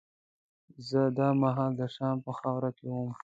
زه دا مهال د شام په خاوره کې وم.